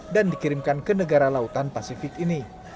dan dikirimkan ke negara lautan pasifik ini